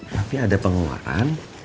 tapi ada pengeluaran